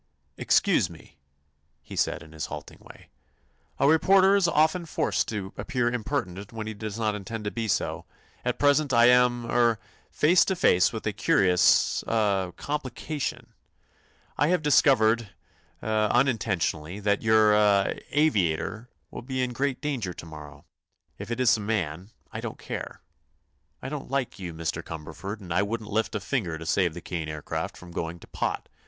"Excuse me," he said in his halting way; "a reporter is often forced to appear impertinent when he does not intend to be so. At present I am—er—face to face with a curious—er—complication. I have discovered—eh—unintentionally—that your er, er—aviator will be in great danger to morrow. If it's a man, I don't care. I don't like you, Mr. Cumberford, and I wouldn't lift a finger to save the Kane Aircraft from going to pot.